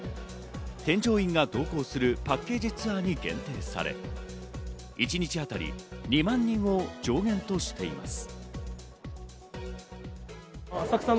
添乗員が同行するパッケージツアーに限定され、一日当たり２万人を上限としています。